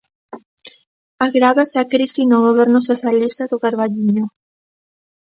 Agrávase a crise no goberno socialista do Carballiño.